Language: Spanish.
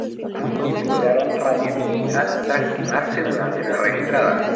Ambos liberaron radiactividad tras quemarse durante la reentrada.